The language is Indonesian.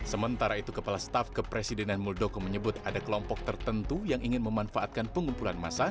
sementara itu kepala staf kepresidenan muldoko menyebut ada kelompok tertentu yang ingin memanfaatkan pengumpulan massa